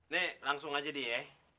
nih langsung aja deh ya